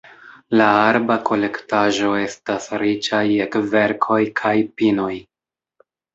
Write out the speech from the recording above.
La arba kolektaĵo estas riĉa je kverkoj kaj pinoj.